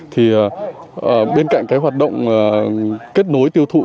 thì bên cạnh cái hoạt động kết nối tiêu thụ